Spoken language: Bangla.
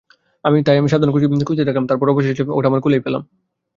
তাই আমি সবখানে খুঁজতেই থাকলাম, তারপর অবশেষে ওটা আমার কোলেই পেলাম।